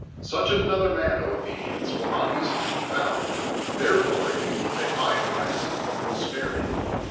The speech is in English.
Such anotiier nsaii, Athenians, will not easily be found; therefore, if you will take my advice, you will spare me.